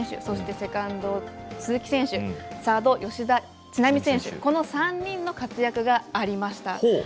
そして、セカンド鈴木選手、サード吉田知那美選手この３人の活躍がありました。